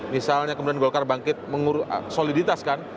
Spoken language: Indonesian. misalnya kemudian golkar bangkit mengurus soliditas kan